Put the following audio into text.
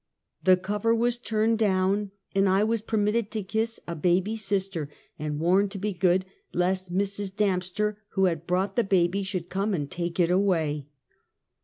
The cover was turned down, and I was permitted to kiss a baby sister, and warned to be good, lest Mrs. Damp ster, who had brought the baby, should come and take it away.